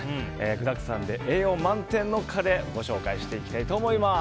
具だくさんで栄養満点のカレーご紹介していきたいと思います。